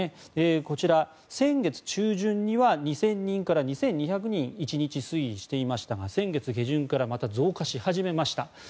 こちら、先月中旬には２０００人から２２００人で推移していましたが先月下旬から増加し始めました。